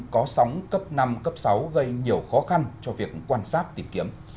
có sóng cấp năm cấp sáu gây nhiều khó khăn cho việc quan sát tìm kiếm